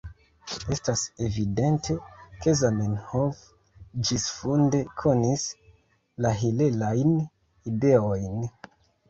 Estas evidente, ke Zamenhof ĝisfunde konis la hilelajn ideojn.